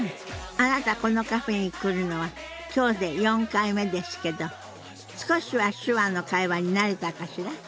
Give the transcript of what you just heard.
あなたこのカフェに来るのは今日で４回目ですけど少しは手話の会話に慣れたかしら？